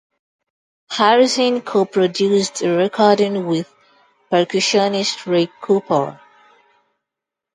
Harrison co-produced the recording with percussionist Ray Cooper.